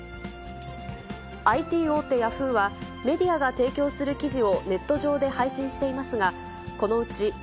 ＩＴ大手、ヤフーはメディアが提供する記事をネット上で配信していますが、このうち、ＮＥＷＳ